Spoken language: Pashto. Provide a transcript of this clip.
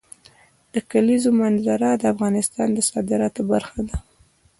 د کلیزو منظره د افغانستان د صادراتو برخه ده.